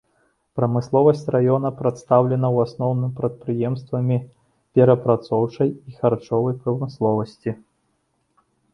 Прамысловасць раёна прадстаўлена, у асноўным, прадпрыемствамі перапрацоўчай і харчовай прамысловасці.